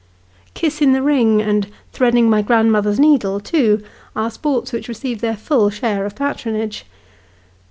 "Kiss in the Ring," and "Threading my Grandmother's Needle," too, are sports which receive their full share of patronage.